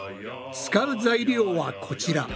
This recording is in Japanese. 使う材料はこちら。